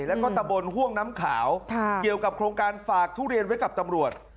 แล้วก็ตะบนห่วงน้ำขาวเกี่ยวกับโครงการฝากทุเรียนไว้กับตำรวจ